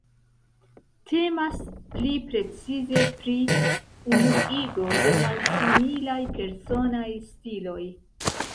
Temas pli precize pri unuigo de malsimilaj personaj stiloj.